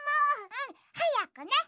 うんはやくね。